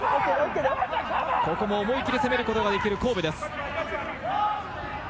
ここも思い切り攻めることができる神戸です。